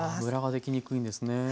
ムラができにくいんですね。